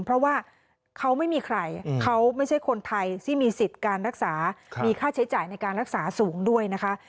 เพราะว่าเขาไม่มีใครเขาไม่ใช่คนไทยที่มีสิทธิ์การรักษามีค่าใช้จ่ายในการรักษาสูงด้วยนะคะ